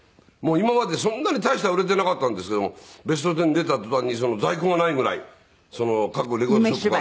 今までそんなに大しては売れていなかったんですけども『ベストテン』に出た途端に在庫がないぐらい各レコードショップから。